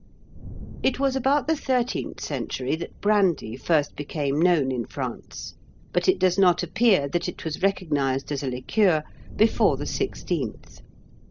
It was about the thirteenth century that brandy first became known in France; but it does not appear that it was recognised as a liqueur before the sixteenth.